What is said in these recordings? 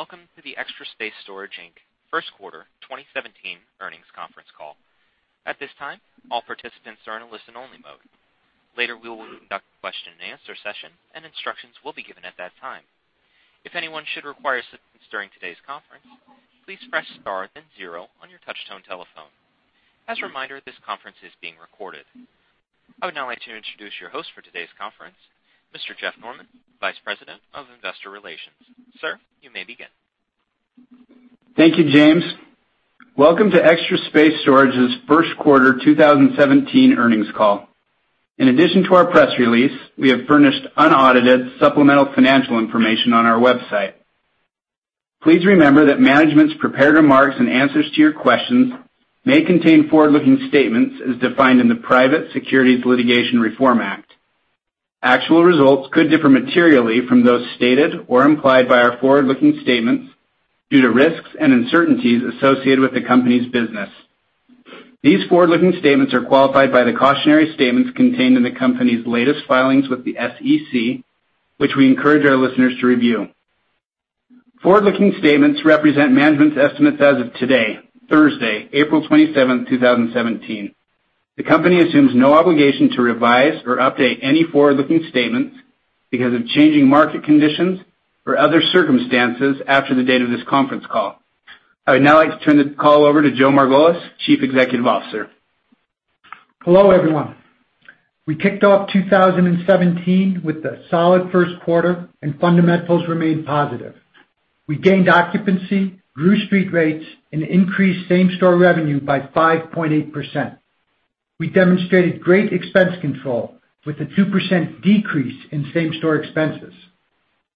Welcome to the Extra Space Storage Inc. first quarter 2017 earnings conference call. At this time, all participants are in a listen-only mode. Later, we will conduct a question and answer session, and instructions will be given at that time. If anyone should require assistance during today's conference, please press star then zero on your touch-tone telephone. As a reminder, this conference is being recorded. I would now like to introduce your host for today's conference, Mr. Jeff Norman, Vice President of Investor Relations. Sir, you may begin. Thank you, James. Welcome to Extra Space Storage's first quarter 2017 earnings call. In addition to our press release, we have furnished unaudited supplemental financial information on our website. Please remember that management's prepared remarks and answers to your questions may contain forward-looking statements as defined in the Private Securities Litigation Reform Act. Actual results could differ materially from those stated or implied by our forward-looking statements due to risks and uncertainties associated with the company's business. These forward-looking statements are qualified by the cautionary statements contained in the company's latest filings with the SEC, which we encourage our listeners to review. Forward-looking statements represent management's estimates as of today, Thursday, April 27th, 2017. The company assumes no obligation to revise or update any forward-looking statements because of changing market conditions or other circumstances after the date of this conference call. I would now like to turn the call over to Joe Margolis, Chief Executive Officer. Hello, everyone. We kicked off 2017 with a solid first quarter and fundamentals remained positive. We gained occupancy, grew street rates, and increased same-store revenue by 5.8%. We demonstrated great expense control with a 2% decrease in same-store expenses.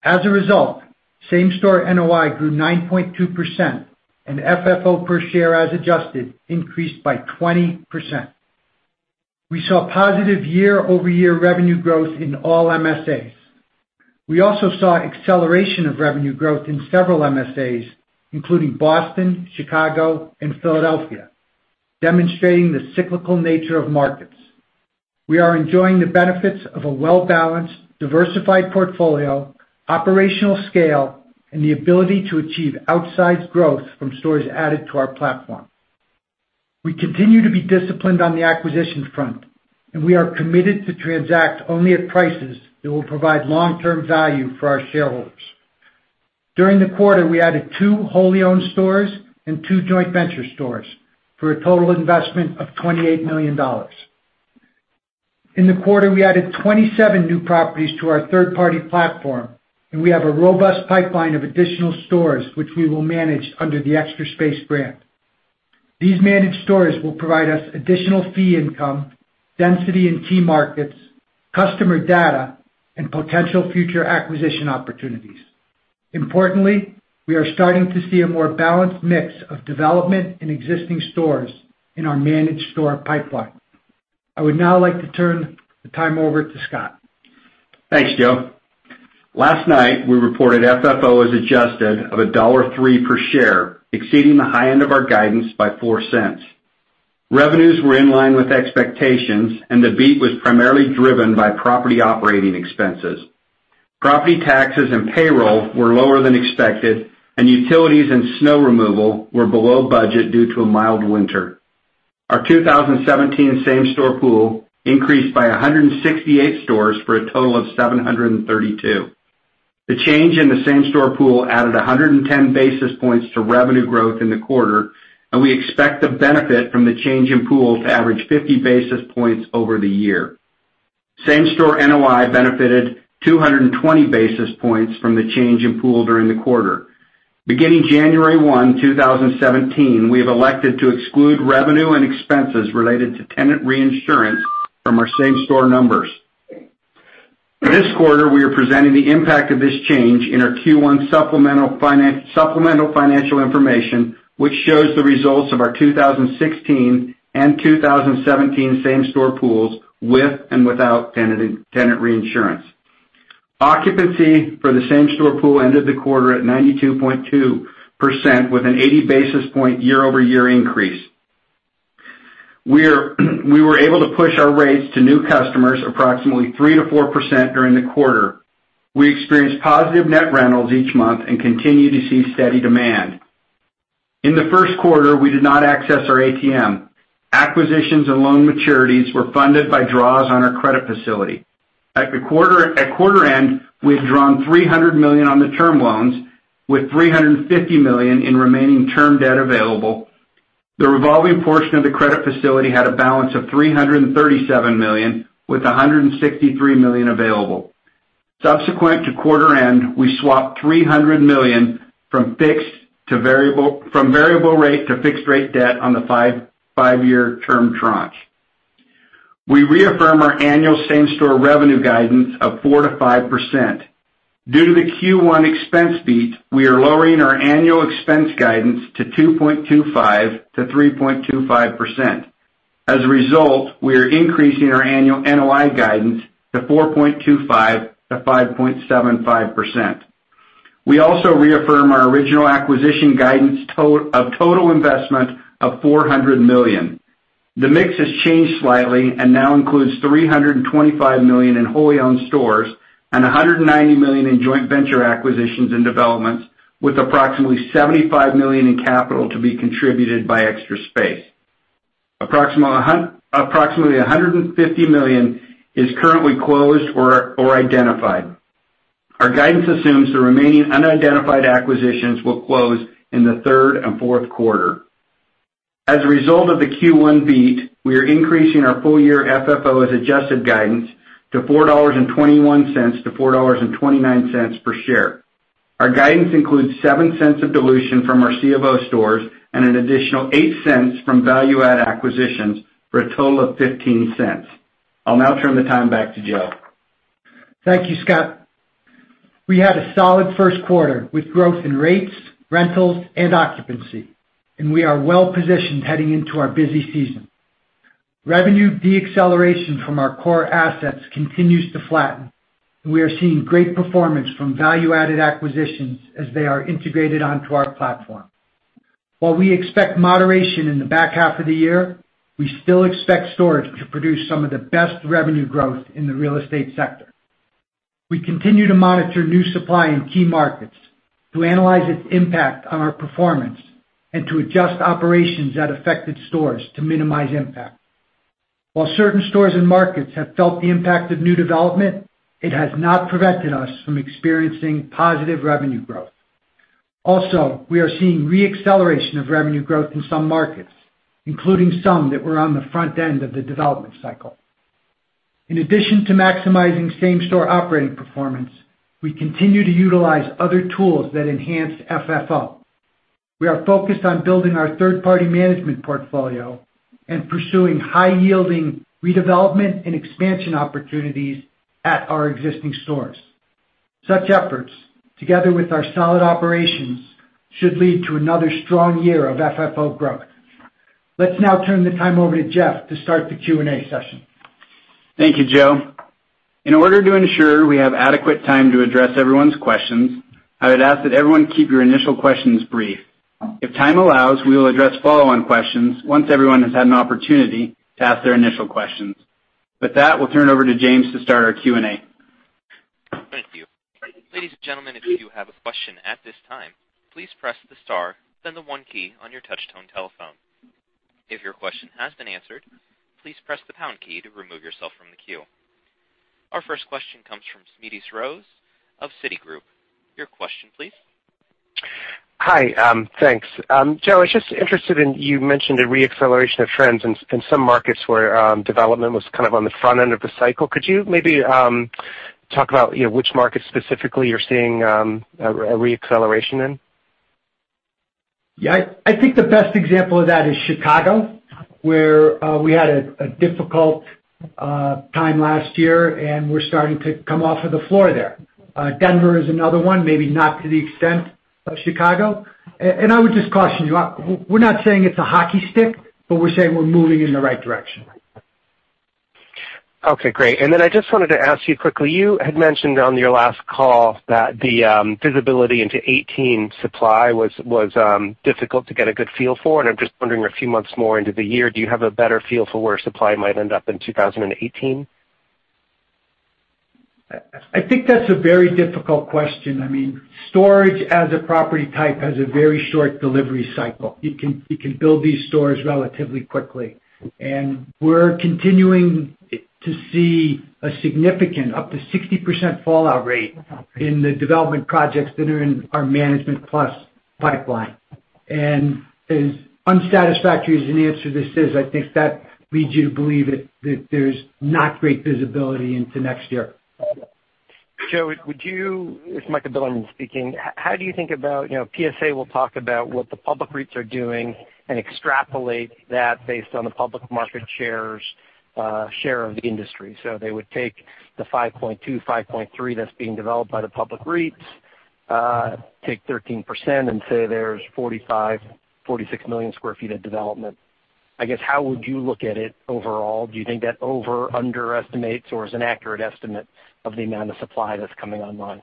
As a result, same-store NOI grew 9.2% and FFO per share as adjusted increased by 20%. We saw positive year-over-year revenue growth in all MSAs. We also saw acceleration of revenue growth in several MSAs, including Boston, Chicago, and Philadelphia, demonstrating the cyclical nature of markets. We are enjoying the benefits of a well-balanced, diversified portfolio, operational scale, and the ability to achieve outsized growth from stores added to our platform. We continue to be disciplined on the acquisition front, and we are committed to transact only at prices that will provide long-term value for our shareholders. During the quarter, we added two wholly owned stores and two joint venture stores for a total investment of $28 million. In the quarter, we added 27 new properties to our third-party platform. We have a robust pipeline of additional stores, which we will manage under the Extra Space brand. These managed stores will provide us additional fee income, density in key markets, customer data, and potential future acquisition opportunities. Importantly, we are starting to see a more balanced mix of development in existing stores in our managed store pipeline. I would now like to turn the time over to Scott. Thanks, Joe. Last night, we reported FFO as adjusted of $1.03 per share, exceeding the high end of our guidance by $0.04. Revenues were in line with expectations. The beat was primarily driven by property operating expenses. Property taxes and payroll were lower than expected. Utilities and snow removal were below budget due to a mild winter. Our 2017 same-store pool increased by 168 stores for a total of 732. The change in the same-store pool added 110 basis points to revenue growth in the quarter. We expect the benefit from the change in pool to average 50 basis points over the year. Same-store NOI benefited 220 basis points from the change in pool during the quarter. Beginning January 1, 2017, we have elected to exclude revenue and expenses related to tenant reinsurance from our same-store numbers. This quarter, we are presenting the impact of this change in our Q1 supplemental financial information, which shows the results of our 2016 and 2017 same-store pools with and without tenant reinsurance. Occupancy for the same-store pool ended the quarter at 92.2% with an 80 basis point year-over-year increase. We were able to push our rates to new customers approximately 3%-4% during the quarter. We experienced positive net rentals each month and continue to see steady demand. In the first quarter, we did not access our ATM. Acquisitions and loan maturities were funded by draws on our credit facility. At quarter-end, we had drawn $300 million on the term loans with $350 million in remaining term debt available. The revolving portion of the credit facility had a balance of $337 million, with $163 million available. Subsequent to quarter end, we swapped $300 million from variable rate to fixed rate debt on the five-year term tranche. We reaffirm our annual same-store revenue guidance of 4%-5%. Due to the Q1 expense beat, we are lowering our annual expense guidance to 2.25%-3.25%. As a result, we are increasing our annual NOI guidance to 4.25%-5.75%. We also reaffirm our original acquisition guidance of total investment of $400 million. The mix has changed slightly and now includes $325 million in wholly owned stores and $190 million in joint venture acquisitions and developments, with approximately $75 million in capital to be contributed by Extra Space. Approximately $150 million is currently closed or identified. Our guidance assumes the remaining unidentified acquisitions will close in the third and fourth quarter. As a result of the Q1 beat, we are increasing our full year FFO adjusted guidance to $4.21-$4.29 per share. Our guidance includes $0.07 of dilution from our C of O stores and an additional $0.08 from value-add acquisitions for a total of $0.15. I'll now turn the time back to Joe. Thank you, Scott. We had a solid first quarter with growth in rates, rentals, and occupancy. We are well-positioned heading into our busy season. Revenue deacceleration from our core assets continues to flatten. We are seeing great performance from value-added acquisitions as they are integrated onto our platform. While we expect moderation in the back half of the year, we still expect storage to produce some of the best revenue growth in the real estate sector. We continue to monitor new supply in key markets to analyze its impact on our performance and to adjust operations at affected stores to minimize impact. While certain stores and markets have felt the impact of new development, it has not prevented us from experiencing positive revenue growth. We are seeing re-acceleration of revenue growth in some markets, including some that were on the front end of the development cycle. In addition to maximizing same-store operating performance, we continue to utilize other tools that enhance FFO. We are focused on building our third-party management portfolio and pursuing high-yielding redevelopment and expansion opportunities at our existing stores. Such efforts, together with our solid operations, should lead to another strong year of FFO growth. Let's now turn the time over to Jeff to start the Q&A session. Thank you, Joe. In order to ensure we have adequate time to address everyone's questions, I would ask that everyone keep your initial questions brief. If time allows, we will address follow-on questions once everyone has had an opportunity to ask their initial questions. We'll turn over to James to start our Q&A. Thank you. Ladies and gentlemen, if you have a question at this time, please press the star, then the one key on your touch-tone telephone. If your question has been answered, please press the pound key to remove yourself from the queue. Our first question comes from Smedes Rose of Citi. Your question, please. Hi. Thanks. Joe, I was just interested in, you mentioned a re-acceleration of trends in some markets where development was kind of on the front end of the cycle. Could you maybe talk about which markets specifically you're seeing a re-acceleration in? Yeah, I think the best example of that is Chicago, where we had a difficult time last year, and we're starting to come off of the floor there. Denver is another one, maybe not to the extent of Chicago. I would just caution you, we're not saying it's a hockey stick, but we're saying we're moving in the right direction. Okay, great. I just wanted to ask you quickly, you had mentioned on your last call that the visibility into 2018 supply was difficult to get a good feel for, and I'm just wondering, a few months more into the year, do you have a better feel for where supply might end up in 2018? I think that's a very difficult question. Storage as a property type has a very short delivery cycle. You can build these stores relatively quickly. We're continuing to see a significant up to 60% fallout rate in the development projects that are in our management plus pipeline. As unsatisfactory as an answer this is, I think that leads you to believe that there's not great visibility into next year. Joe, It's Michael Bilerman speaking. How do you think about, PSA will talk about what the public REITs are doing and extrapolate that based on the public market share of the industry. They would take the 5.2, 5.3 that's being developed by the public REITs, take 13% and say there's 45, 46 million square feet of development. I guess, how would you look at it overall? Do you think that over underestimates or is an accurate estimate of the amount of supply that's coming online?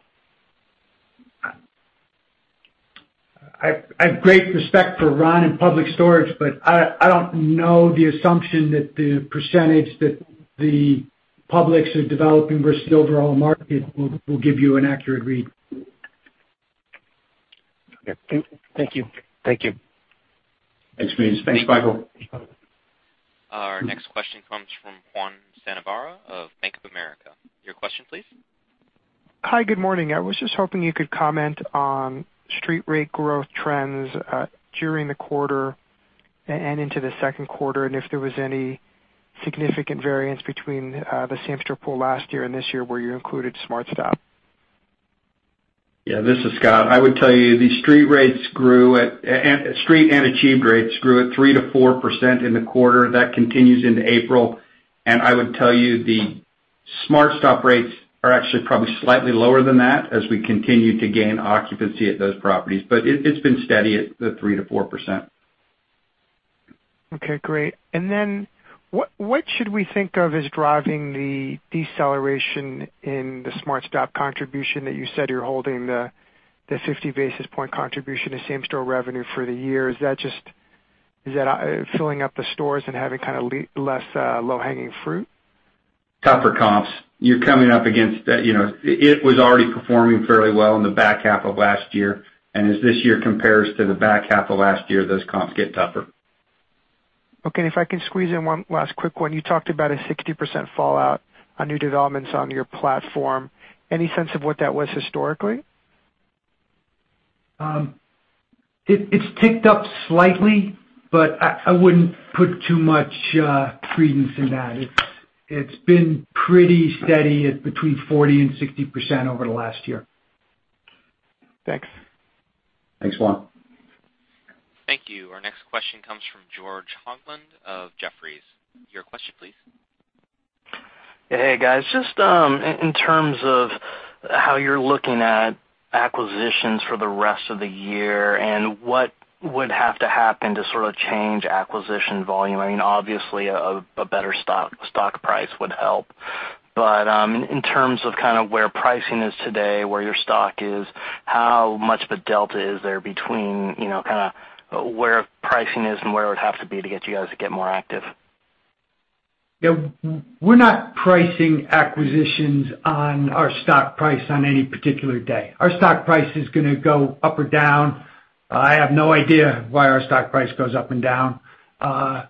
I have great respect for Ron and Public Storage, I don't know the assumption that the percentage that the publics are developing versus the overall market will give you an accurate read. Okay. Thank you. Thanks, Smedes. Thanks, Michael. Our next question comes from Juan Sanabria of Bank of America. Your question, please. Hi, good morning. I was just hoping you could comment on street rate growth trends during the quarter and into the second quarter, and if there was any significant variance between the same-store pool last year and this year where you included SmartStop. Yeah, this is Scott. I would tell you these street and achieved rates grew at 3%-4% in the quarter. That continues into April. I would tell you the SmartStop rates are actually probably slightly lower than that as we continue to gain occupancy at those properties. It's been steady at the 3%-4%. Okay, great. What should we think of as driving the deceleration in the SmartStop contribution that you said you're holding the 50 basis point contribution to same-store revenue for the year? Is that just filling up the stores and having kind of less low-hanging fruit? Tougher comps. It was already performing fairly well in the back half of last year. As this year compares to the back half of last year, those comps get tougher. Okay, if I can squeeze in one last quick one. You talked about a 60% fallout on new developments on your platform. Any sense of what that was historically? It's ticked up slightly, I wouldn't put too much credence in that. It's been pretty steady at between 40% and 60% over the last year. Thanks. Thanks, Juan. Thank you. Our next question comes from George Hoglund of Jefferies. Your question, please. Hey, guys. Just in terms of how you're looking at acquisitions for the rest of the year and what would have to happen to sort of change acquisition volume. Obviously, a better stock price would help. In terms of kind of where pricing is today, where your stock is, how much of a delta is there between kind of where pricing is and where it would have to be to get you guys to get more active? We're not pricing acquisitions on our stock price on any particular day. Our stock price is going to go up or down. I have no idea why our stock price goes up and down. We're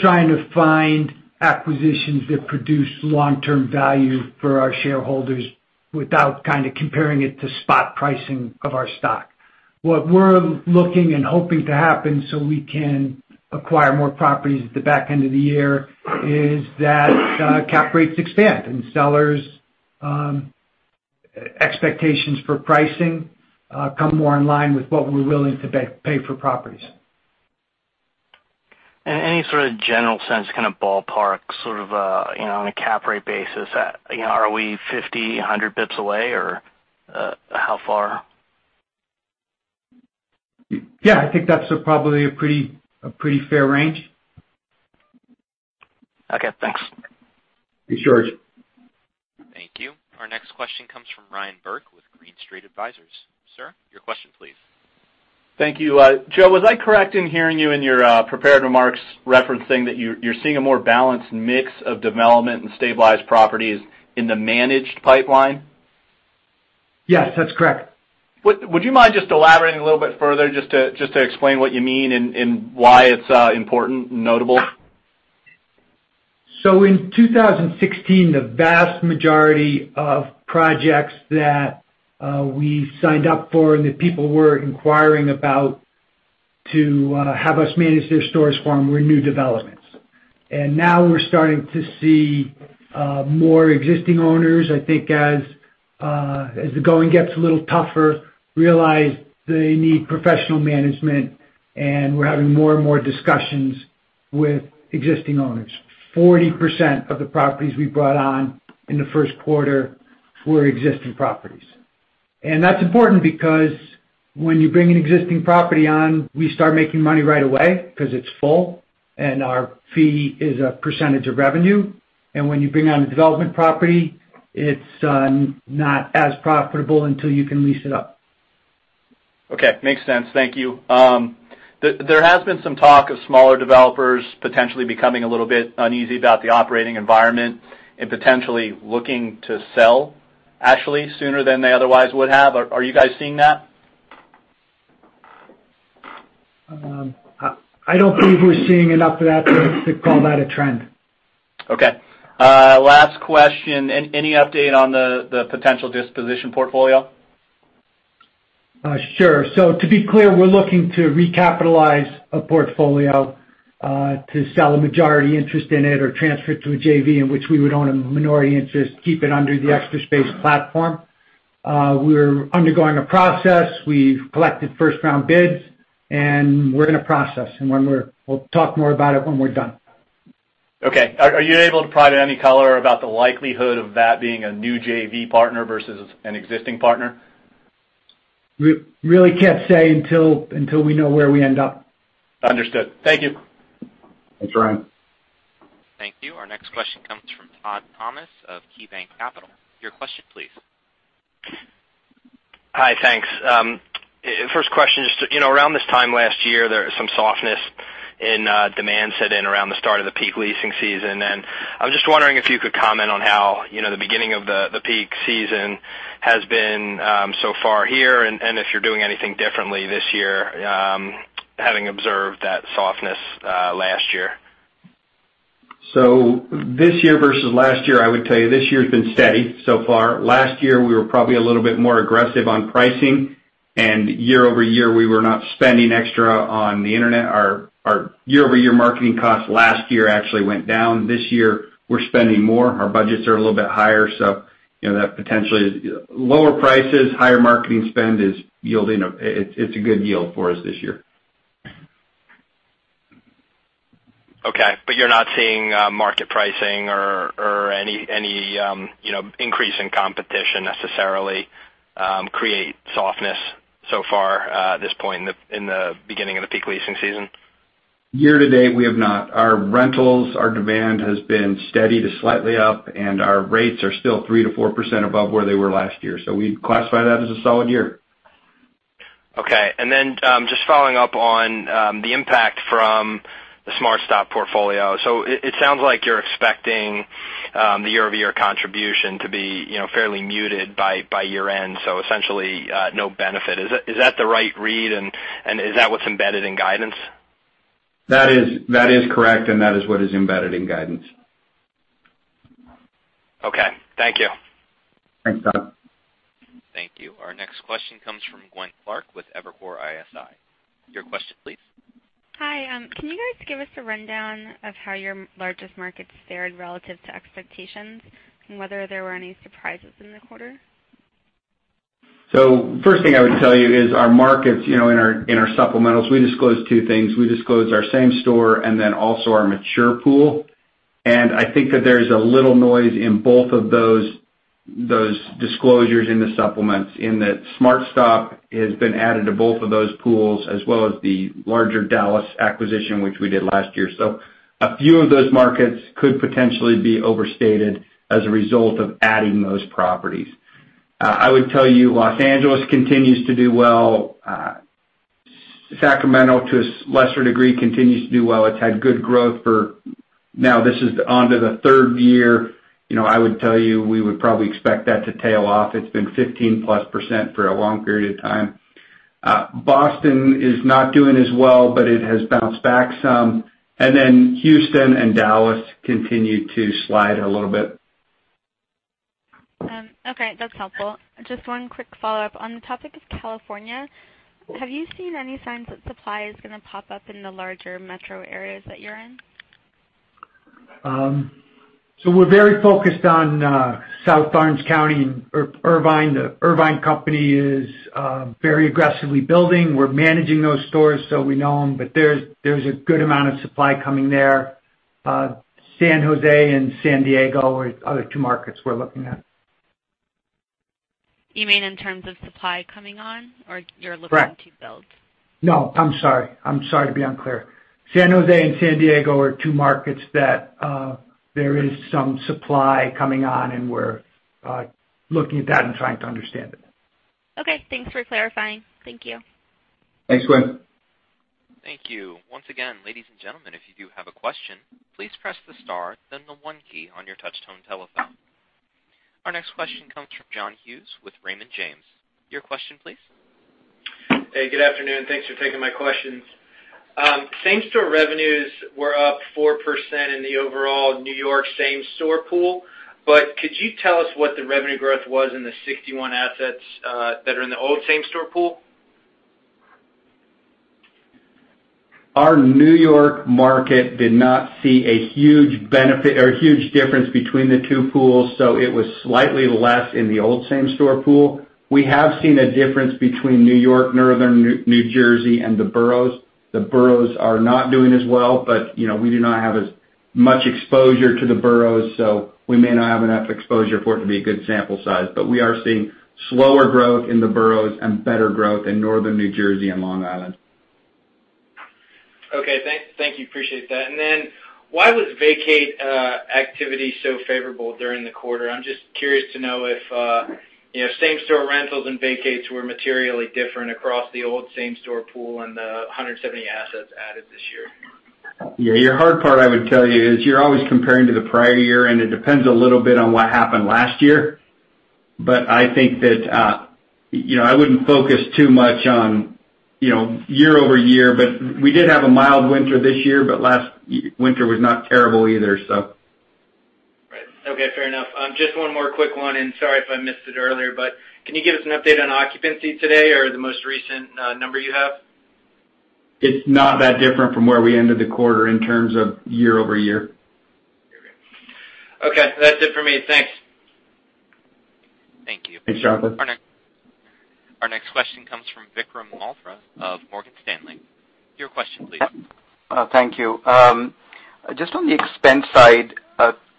trying to find acquisitions that produce long-term value for our shareholders without kind of comparing it to spot pricing of our stock. What we're looking and hoping to happen so we can acquire more properties at the back end of the year is that cap rates expand and sellers' expectations for pricing come more in line with what we're willing to pay for properties. Any sort of general sense, kind of ballpark, sort of on a cap rate basis, are we 50, 100 basis points away, or how far? Yeah, I think that's probably a pretty fair range. Okay, thanks. Thanks, George. Thank you. Our next question comes from Ryan Burke with Green Street Advisors. Sir, your question, please. Thank you. Joe, was I correct in hearing you in your prepared remarks referencing that you're seeing a more balanced mix of development and stabilized properties in the managed pipeline? Yes, that's correct. Would you mind just elaborating a little bit further just to explain what you mean and why it's important and notable? In 2016, the vast majority of projects that we signed up for and that people were inquiring about to have us manage their storage farm were new developments. Now we're starting to see more existing owners, I think as the going gets a little tougher, realize they need professional management, and we're having more and more discussions with existing owners. 40% of the properties we brought on in the first quarter were existing properties. That's important because when you bring an existing property on, we start making money right away because it's full, and our fee is a percentage of revenue. When you bring on a development property, it's not as profitable until you can lease it up. Okay. Makes sense. Thank you. There has been some talk of smaller developers potentially becoming a little bit uneasy about the operating environment and potentially looking to sell actually sooner than they otherwise would have. Are you guys seeing that? I don't believe we're seeing enough of that to call that a trend. Okay. Last question. Any update on the potential disposition portfolio? To be clear, we're looking to recapitalize a portfolio, to sell a majority interest in it or transfer it to a JV in which we would own a minority interest, keep it under the Extra Space platform. We're undergoing a process. We've collected first-round bids, and we're in a process, and we'll talk more about it when we're done. Okay. Are you able to provide any color about the likelihood of that being a new JV partner versus an existing partner? Really can't say until we know where we end up. Understood. Thank you. Thanks, Ryan. Thank you. Our next question comes from Todd Thomas of KeyBanc Capital. Your question, please. Hi. Thanks. First question is, around this time last year, there was some softness in demand set in around the start of the peak leasing season. I was just wondering if you could comment on how the beginning of the peak season has been so far here, and if you're doing anything differently this year, having observed that softness last year. This year versus last year, I would tell you this year's been steady so far. Last year, we were probably a little bit more aggressive on pricing, and year-over-year, we were not spending extra on the internet. Our year-over-year marketing costs last year actually went down. This year, we're spending more. Our budgets are a little bit higher. That potentially lower prices, higher marketing spend, it's a good yield for us this year. Okay. Are you not seeing market pricing or any increase in competition necessarily create softness so far at this point in the beginning of the peak leasing season? Year-to-date, we have not. Our rentals, our demand has been steady to slightly up, and our rates are still 3%-4% above where they were last year. We'd classify that as a solid year. Okay. Just following up on the impact from the SmartStop portfolio. It sounds like you're expecting the year-over-year contribution to be fairly muted by year end, so essentially no benefit. Is that the right read? Is that what's embedded in guidance? That is correct. That is what is embedded in guidance. Okay. Thank you. Thanks, Todd. Thank you. Our next question comes from Gwendolyn Clark with Evercore ISI. Your question please. Hi. Can you guys give us a rundown of how your largest markets fared relative to expectations and whether there were any surprises in the quarter? First thing I would tell you is our markets, in our supplementals, we disclose two things. We disclose our same-store and then also our mature pool. I think that there's a little noise in both of those disclosures in the supplements in that SmartStop has been added to both of those pools, as well as the larger Dallas acquisition, which we did last year. A few of those markets could potentially be overstated as a result of adding those properties. I would tell you Los Angeles continues to do well. Sacramento, to a lesser degree, continues to do well. It's had good growth for Now this is on to the third year. I would tell you, we would probably expect that to tail off. It's been 15%+ for a long period of time. Boston is not doing as well, but it has bounced back some. Houston and Dallas continue to slide a little bit. Okay, that's helpful. Just one quick follow-up. On the topic of California, have you seen any signs that supply is going to pop up in the larger metro areas that you're in? We're very focused on South Orange County and Irvine. The Irvine Company is very aggressively building. We're managing those stores, so we know them, but there's a good amount of supply coming there. San Jose and San Diego are the other two markets we're looking at. You mean in terms of supply coming on? Or you're looking- Correct to build? No, I'm sorry. I'm sorry to be unclear. San Jose and San Diego are two markets that there is some supply coming on, and we're looking at that and trying to understand it. Okay. Thanks for clarifying. Thank you. Thanks, Gwen. Thank you. Once again, ladies and gentlemen, if you do have a question, please press the star then the 1 key on your touch-tone telephone. Our next question comes from Jonathan Hughes with Raymond James. Your question please. Hey, good afternoon. Thanks for taking my questions. same-store revenues were up 4% in the overall New York same-store pool. Could you tell us what the revenue growth was in the 61 assets that are in the old same-store pool? Our New York market did not see a huge benefit or huge difference between the two pools, so it was slightly less in the old same-store pool. We have seen a difference between New York, Northern New Jersey, and the boroughs. The boroughs are not doing as well, but we do not have as much exposure to the boroughs, so we may not have enough exposure for it to be a good sample size. We are seeing slower growth in the boroughs and better growth in Northern New Jersey and Long Island. Okay, thank you. Appreciate that. Why was vacate activity so favorable during the quarter? I'm just curious to know if same-store rentals and vacates were materially different across the old same-store pool and the 170 assets added this year. Yeah. Your hard part I would tell you is you're always comparing to the prior year, and it depends a little bit on what happened last year. I think that I wouldn't focus too much on year-over-year. We did have a mild winter this year, last winter was not terrible either. Right. Okay, fair enough. Just one more quick one. Sorry if I missed it earlier. Can you give us an update on occupancy today or the most recent number you have? It's not that different from where we ended the quarter in terms of year-over-year. Okay. That's it for me. Thanks. Thank you. Thanks, John. Our next question comes from Vikram Malhotra of Morgan Stanley. Your question please. Thank you. Just on the expense side,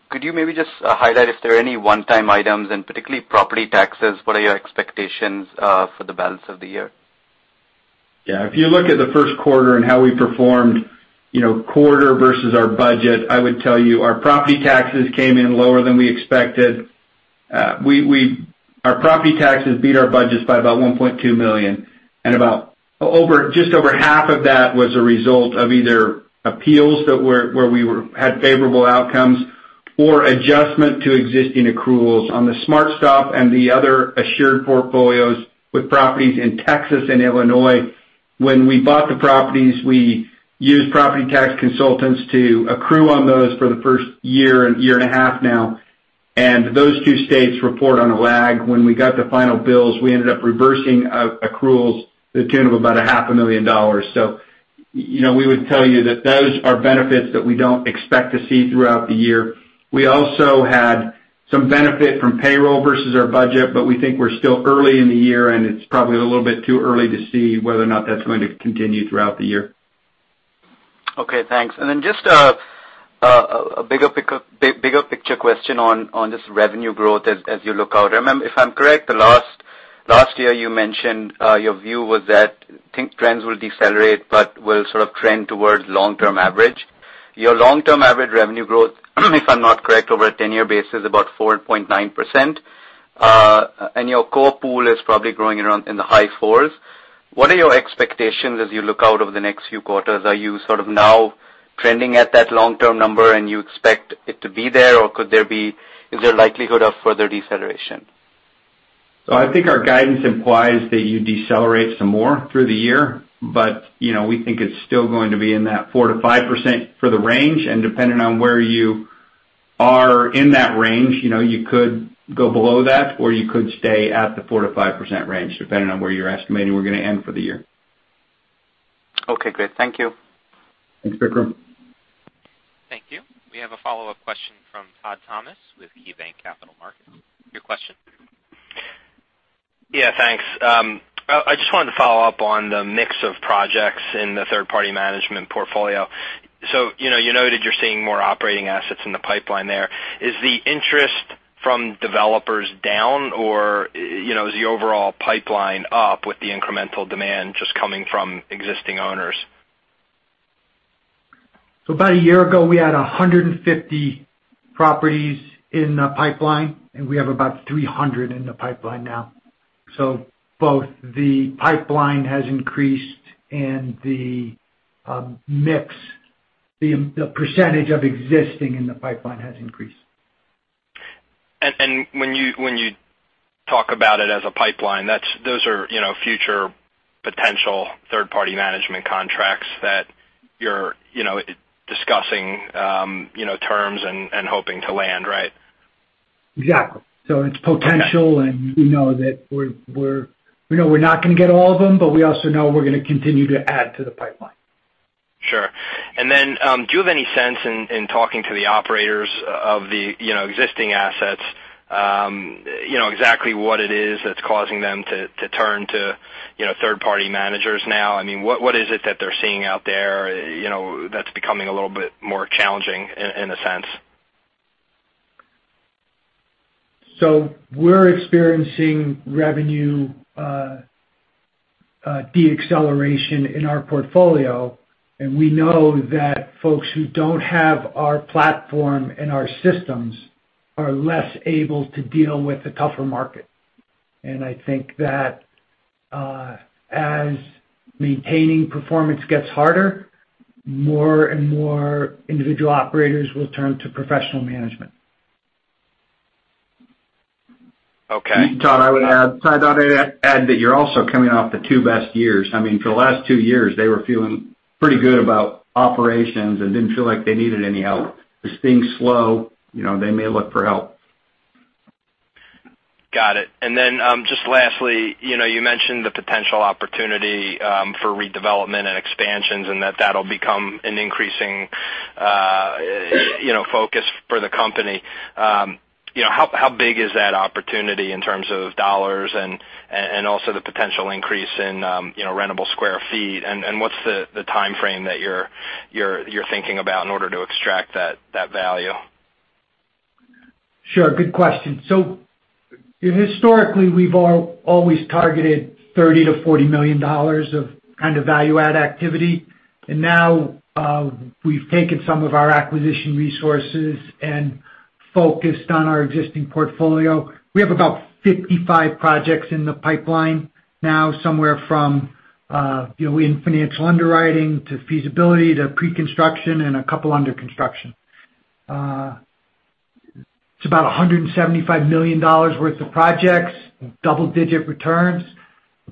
could you maybe just highlight if there are any one-time items and particularly property taxes? What are your expectations for the balance of the year? Yeah. If you look at the first quarter and how we performed quarter versus our budget, I would tell you our property taxes came in lower than we expected. Our property taxes beat our budgets by about $1.2 million, and about just over half of that was a result of either appeals where we had favorable outcomes or adjustment to existing accruals on the SmartStop and the other Assured portfolios with properties in Texas and Illinois. When we bought the properties, we used property tax consultants to accrue on those for the first year and year and a half now, and those two states report on a lag. When we got the final bills, we ended up reversing accruals to the tune of about a half a million dollars. We would tell you that those are benefits that we don't expect to see throughout the year. We also had some benefit from payroll versus our budget, but we think we're still early in the year, and it's probably a little bit too early to see whether or not that's going to continue throughout the year. Okay, thanks. Just a bigger picture question on just revenue growth as you look out. If I'm correct, the last year you mentioned your view was that trends will decelerate but will sort of trend towards long-term average. Your long-term average revenue growth, if I'm not correct, over a 10-year base is about 4.9%, and your core pool is probably growing around in the high 4's. What are your expectations as you look out over the next few quarters? Are you sort of now trending at that long-term number and you expect it to be there? Is there a likelihood of further deceleration? I think our guidance implies that you decelerate some more through the year, but we think it's still going to be in that 4%-5% for the range, and depending on where you are in that range, you could go below that, or you could stay at the 4%-5% range, depending on where you're estimating we're going to end for the year. Okay, great. Thank you. Thanks, Vikram. Thank you. We have a follow-up question from Todd Thomas with KeyBanc Capital Markets. Your question. Yeah, thanks. I just wanted to follow up on the mix of projects in the third-party management portfolio. You noted you're seeing more operating assets in the pipeline there. Is the interest from developers down or is the overall pipeline up with the incremental demand just coming from existing owners? About a year ago, we had 150 properties in the pipeline, and we have about 300 in the pipeline now. Both the pipeline has increased and the mix, the percentage of existing in the pipeline has increased. When you talk about it as a pipeline, those are future potential third-party management contracts that you're discussing terms and hoping to land, right? Exactly. It's potential, and we know we're not going to get all of them, but we also know we're going to continue to add to the pipeline. Sure. Do you have any sense in talking to the operators of the existing assets, exactly what it is that's causing them to turn to third-party managers now? I mean, what is it that they're seeing out there that's becoming a little bit more challenging in a sense? We're experiencing revenue de-acceleration in our portfolio, and we know that folks who don't have our platform and our systems are less able to deal with the tougher market. I think that as maintaining performance gets harder, more and more individual operators will turn to professional management. Okay. Todd, I thought I'd add that you're also coming off the two best years. I mean, for the last two years, they were feeling pretty good about operations and didn't feel like they needed any help. It's being slow, they may look for help. Got it. Just lastly, you mentioned the potential opportunity for redevelopment and expansions and that that'll become an increasing focus for the company. How big is that opportunity in terms of dollars and also the potential increase in rentable square feet, and what's the timeframe that you're thinking about in order to extract that value? Sure, good question. Historically we've always targeted $30 million-$40 million of kind of value add activity. Now we've taken some of our acquisition resources and focused on our existing portfolio. We have about 55 projects in the pipeline now, somewhere from in financial underwriting to feasibility to pre-construction and a couple under construction. It's about $175 million worth of projects, double-digit returns.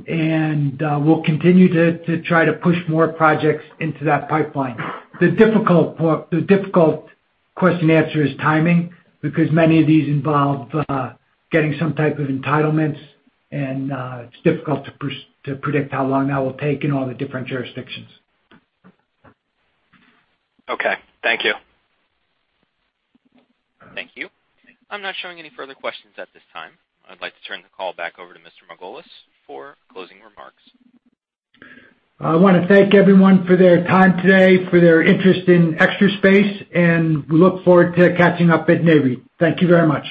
We'll continue to try to push more projects into that pipeline. The difficult question to answer is timing, because many of these involve getting some type of entitlements, and it's difficult to predict how long that will take in all the different jurisdictions. Okay. Thank you. Thank you. I'm not showing any further questions at this time. I'd like to turn the call back over to Mr. Margolis for closing remarks. I want to thank everyone for their time today, for their interest in Extra Space. We look forward to catching up at Nareit. Thank you very much.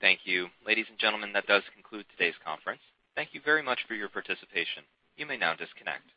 Thank you. Ladies and gentlemen, that does conclude today's conference. Thank you very much for your participation. You may now disconnect.